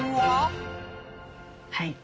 はい。